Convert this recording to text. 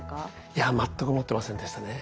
いや全く思ってませんでしたね。